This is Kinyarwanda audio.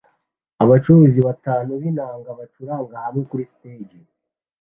Abacuranzi batanu b'inanga bacuranga hamwe kuri stage